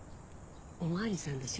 お巡りさんでしょ。